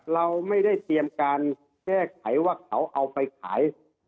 เราไม่ได้เตรียมการแก้ไขว่าเขาเอาไปขาย